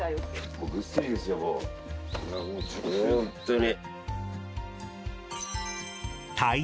ホントに。